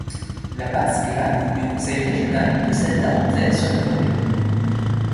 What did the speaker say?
La base Glad du conseil régional possède d’inventaire sur la commune.